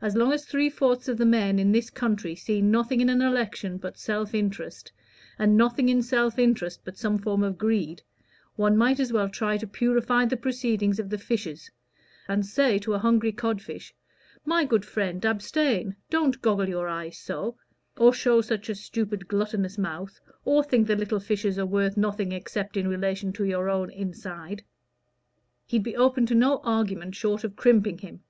As long as three fourths of the men in this country see nothing in an election but self interest, and nothing in self interest but some form of greed, one might as well try to purify the proceedings of the fishes, and say to a hungry cod fish 'My good friend, abstain; don't goggle your eyes so, or show such a stupid gluttonous mouth, or think the little fishes are worth nothing except in relation to your own inside.' He'd be open to no argument short of crimping him.